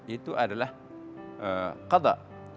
itu adalah kadak